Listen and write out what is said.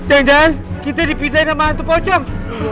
jangan kita dipindahin sama hantu pocong